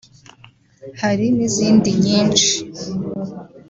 hari n’izindi nyinshi”